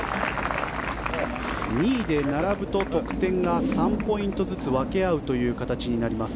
２位で並ぶと得点が３ポイントずつ分け合うという形になります。